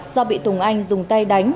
do bị tùng anh dùng tay đánh